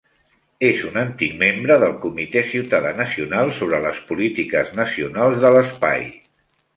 És un antic membre del Comitè Ciutadà Nacional sobre les Polítiques Nacionals de l'Espai.